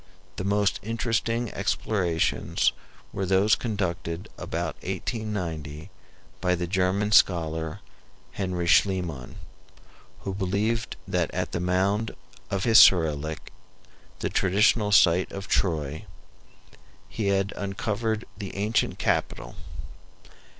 The most interesting explorations were those conducted about 1890 by the German scholar, Henry Schliemann, who believed that at the mound of Hissarlik, the traditional site of Troy, he had uncovered the ancient capital.